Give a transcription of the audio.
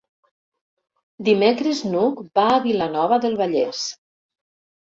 Dimecres n'Hug va a Vilanova del Vallès.